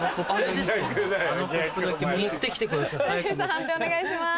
判定お願いします。